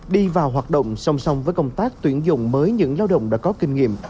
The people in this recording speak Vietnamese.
đi vào hoạt động song song với công tác tuyển dụng mới những lao động đã có kinh nghiệm